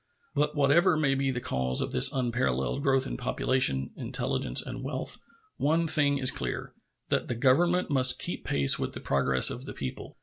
But whatever may be the cause of this unparalleled growth in population, intelligence, and wealth, one tiring is clear that the Government must keep pace with the progress of the people.